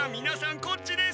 こっちです。